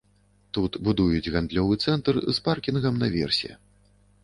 Тут будуюць гандлёвы цэнтр з паркінгам на версе.